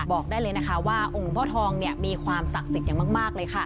บอกได้เลยนะคะว่าองค์หลวงพ่อทองมีความศักดิ์สิทธิ์อย่างมากเลยค่ะ